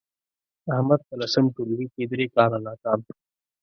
احمد په لسم ټولگي کې درې کاله ناکام شو